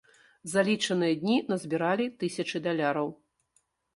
За лічаныя дні назбіралі тысячы даляраў.